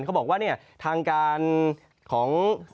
เขาบอกว่าเนี่ยทางการของ